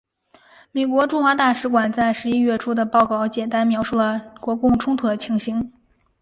美国驻华大使馆在十一月初的报告简单描述了国共冲突的情形。